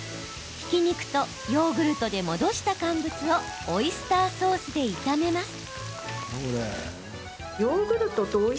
ひき肉とヨーグルトで戻した乾物をオイスターソースで炒めます。